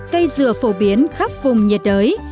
cây dừa phổ biến khắp vùng nhiệt đới